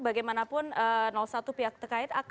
bagaimanapun satu pihak terkait